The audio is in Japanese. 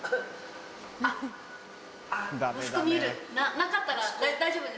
なかったら大丈夫です。